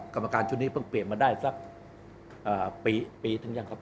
กรรมการชุดนี้เพิ่งเปลี่ยนมาได้สักปี